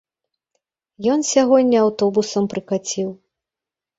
Ён сягоння аўтобусам прыкаціў.